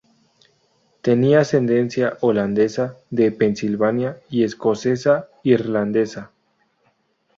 Tenía ascendencia holandesa de Pensilvania y escocesa-irlandesa.